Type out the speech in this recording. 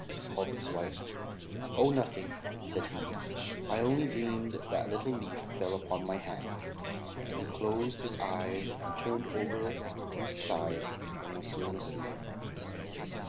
called his wife. "Oh, nothing," said he; "I only dreamed that a little leaf fell on my hand;" and he closed his eyes, and turned over on his side and was soon asleep.